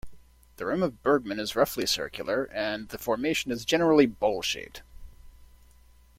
The rim of Bergman is roughly circular, and the formation is generally bowl-shaped.